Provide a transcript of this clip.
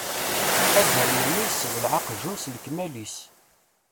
Azrem-nni yessebleε aqjun s lekmal-is.